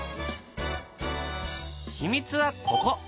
秘密はここ。